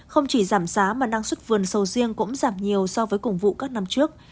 không chỉ giảm giá mà năng suất vườn sầu riêng cũng giảm nhiều so với cùng vụ các năm trước